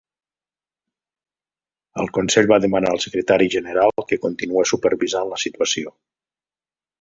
El Consell va demanar al Secretari General que continués supervisant la situació.